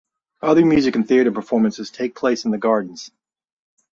Other music and theatre performances take place in the gardens.